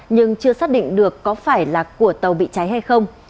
nhưng chưa xác định được có phải là của tàu bị cháy hay không